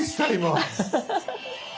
アハハハ。